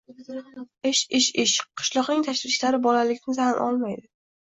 Ish, ish, ish… Qishloqning tashvishlari bolalikni tan olmaydi